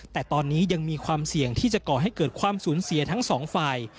แต่ตอนนี้ยังมีความเสี่ยงที่จะก่อให้เกิดความสูญเสียทั้งสองฝ่าย